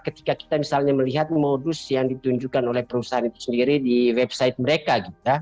ketika kita misalnya melihat modus yang ditunjukkan oleh perusahaan itu sendiri di website mereka